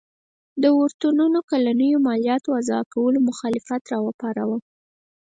د اورتونونو کلنیو مالیاتو وضعه کولو مخالفت راوپاروله.